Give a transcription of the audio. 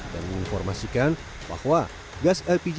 dan menginformasikan bahwa gas lpg